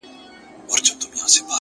مجاهد د خداى لپاره دى لوېــدلى؛